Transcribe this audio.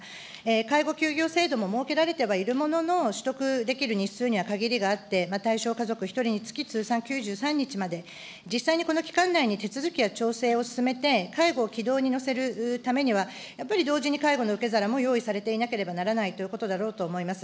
介護休業制度も設けられてはいるものの、取得できる日数には限りがあって、対象家族１人につき通算９３日まで、実際にこの期間内に手続きや調整を進めて、介護を軌道に乗せるためには、やっぱり同時に介護の受け皿も用意されていなければならないということだろうと思います。